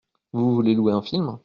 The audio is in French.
Vous voulez louer un film ?